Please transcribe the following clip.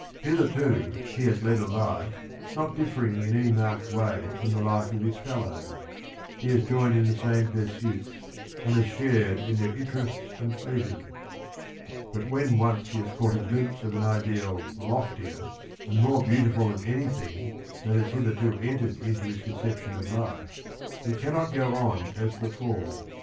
Hitherto he has led a life not differing in any marked way from the life of his fellows ; he has joined in the same pursuits, and has shared in their interests and pleasures. But when once he has caught a glimpse of an ideal loftier and more beautiful than anything that has hitherto entered into his conception of life, he cannot go on as before.